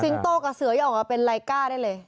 โต้กับเสือยังออกมาเป็นไรก้าได้เลย